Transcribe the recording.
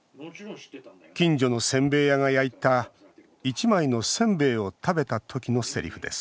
近所のせんべい屋が焼いた１枚のせんべいを食べた時のセリフです。